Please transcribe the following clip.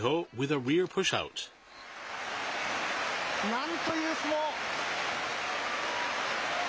なんという相撲。